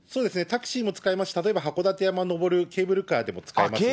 タクシーも使えますし、例えば、函館山を登るケーブルカーでも使えますし。